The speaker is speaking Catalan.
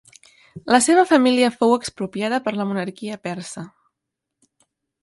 La seva família fou expropiada per la monarquia persa.